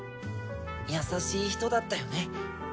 優しい人だったよね。